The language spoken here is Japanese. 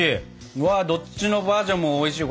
うわっどっちのバージョンもおいしいよ